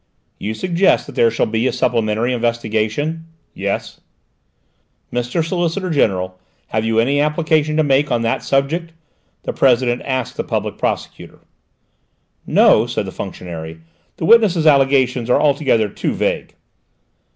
"You suggest that there shall be a supplementary investigation?" "Yes." "Mr. Solicitor General, have you any application to make on that subject?" the President asked the Public Prosecutor. "No," said the functionary. "The witness's allegations are altogether too vague."